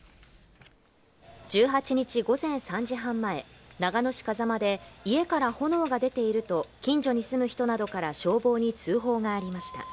１８日午前３時半前、長野市風間で、家から炎が出ていると、近所に住む人などから消防に通報がありました。